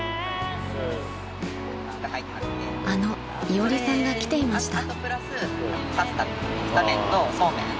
［あのいおりさんが来ていました］